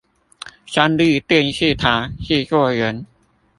三立電視台製作人